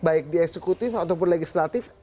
baik di eksekutif ataupun legislatif